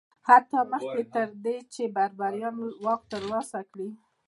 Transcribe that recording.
حتی مخکې تر دې چې بربریان واک ترلاسه کړي